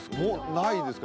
ないですか？